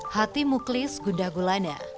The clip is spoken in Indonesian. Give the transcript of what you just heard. hati muklis gundah gulana